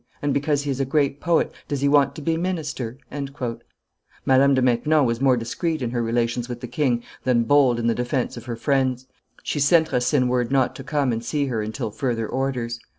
And because he is a great poet, does he want to be minister?" Madame de Maintenon was more discreet in her relations with the king than bold in the defence of her friends; she sent Racine word not to come and see her 'until further orders.